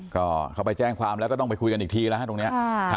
ก็เขาไปแจ้งความแล้วก็ต้องไปคุยกันอีกทีแล้วฮะตรงนี้